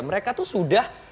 mereka tuh sudah